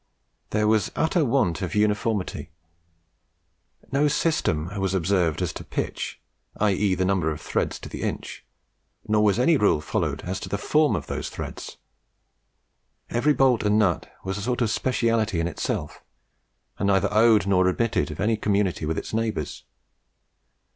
There was an utter want of uniformity. No system was observed as to "pitch," i.e. the number of threads to the inch, nor was any rule followed as to the form of those threads. Every bolt and nut was sort of specialty in itself, and neither owed nor admitted of any community with its neighbours.